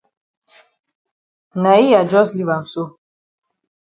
Na yi I jus leave am so.